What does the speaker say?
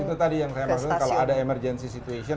itu tadi yang saya maksudkan kalau ada emergency situation